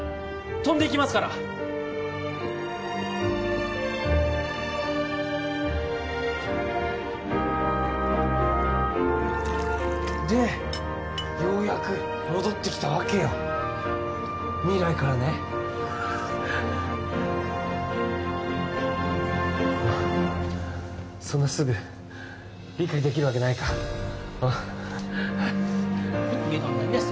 飛んでいきますからでようやく戻ってきたわけよ未来からねまっそんなすぐ理解できるわけないかうん・牛丼並です